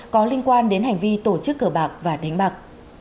có liên quan đến hành vi tổ chức cờ bạc và đánh bạc